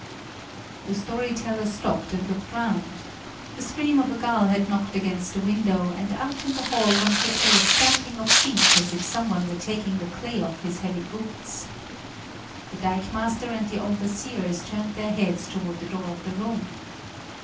The story teller stopped and looked round. The scream of a gull had knocked against the window, and out in the hall one could hear a stamping of feet, as if someone were taking the clay off his heavy boots. The dikemaster and the overseers turned their heads toward the door of the room.